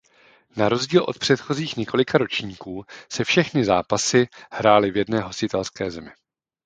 Na rozdíl od předchozích několika ročníků se všechny zápasy hrály v jedné hostitelské zemi.